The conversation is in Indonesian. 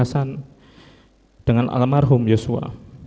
dinasan dengan almarhum yosua